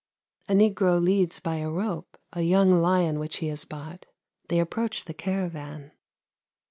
A negro leads by a rope a young lion which he has bought ; they approach the caravan.